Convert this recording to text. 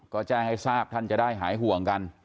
ก็แจ้งให้ทราบท่านจะได้หายห่วงกัน